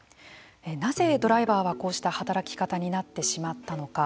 なぜ、ドライバーはこうした働き方になってしまったのか。